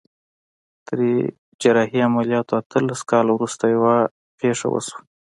تر جراحي عمليات اتلس کاله وروسته يوه پېښه وشوه.